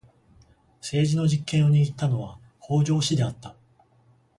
政治の実権を握ったのは北条氏であった。